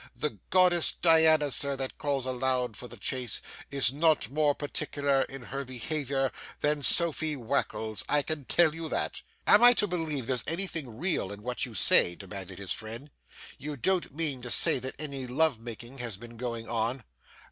The Goddess Diana, sir, that calls aloud for the chase, is not more particular in her behavior than Sophia Wackles; I can tell you that.' 'Am I to believe there's anything real in what you say?' demanded his friend; 'you don't mean to say that any love making has been going on?